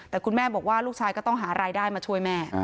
แต่คุณแม่บอกว่าลูกชายก็ต้องหารายได้มาช่วยแม่